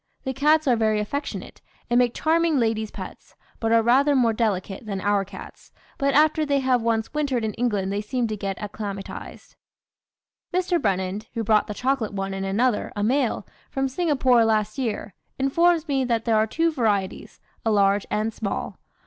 The cats are very affectionate, and make charming ladies' pets, but are rather more delicate than our cats, but after they have once wintered in England they seem to get acclimatised. "Mr. Brennand, who brought the chocolate one and another, a male, from Singapore last year, informs me that there are two varieties, a large and small.